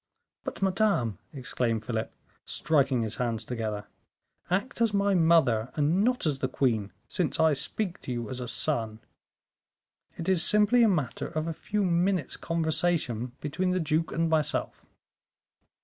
"But, madame," exclaimed Philip, striking his hands together, "act as my mother and not as the queen, since I speak to you as a son; it is simply a matter of a few minutes' conversation between the duke and myself."